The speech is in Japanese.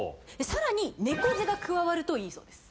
さらに猫背が加わるといいそうです。